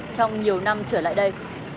trong nhiều năm trở lại đây